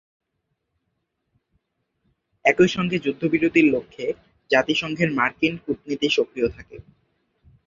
একই সঙ্গে যুদ্ধবিরতির লক্ষ্যে জাতিসংঘের মার্কিন কূটনীতি সক্রিয় থাকে।